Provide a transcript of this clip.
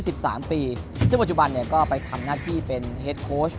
ซึ่งปัจจุบันก็ไปทำหน้าที่เป็นเฮ็ดโคช